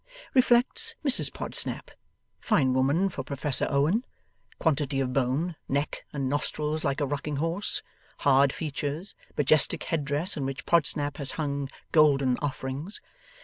Reflects Mrs Podsnap; fine woman for Professor Owen, quantity of bone, neck and nostrils like a rocking horse, hard features, majestic head dress in which Podsnap has hung golden offerings.